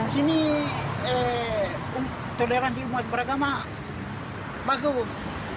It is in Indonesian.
sini toleransi umat beragama bagus